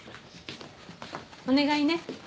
お願いね